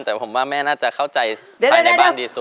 แต่ผมว่าแม่น่าจะเข้าใจภายในบ้านดีสุด